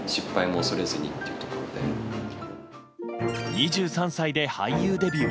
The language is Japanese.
２３歳で俳優デビュー。